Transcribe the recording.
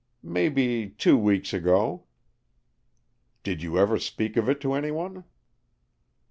"Maybe two weeks ago." "Did you ever speak of it to anyone?"